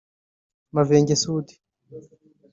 Mavenge Sudi